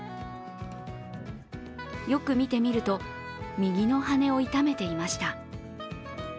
よく見てみると右の羽を痛めていました。